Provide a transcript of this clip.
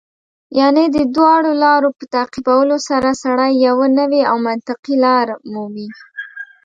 یعنې د دواړو لارو په تعقیبولو سره سړی یوه نوې او منطقي لار مومي.